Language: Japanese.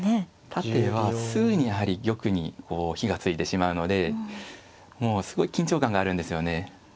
縦はすぐにやはり玉に火がついてしまうのでもうすごい緊張感があるんですよね。